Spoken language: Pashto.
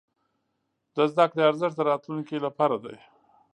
د زده کړې ارزښت د راتلونکي لپاره دی.